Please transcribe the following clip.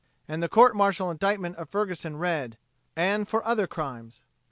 And the court martial indictment of Ferguson read "and for other crimes."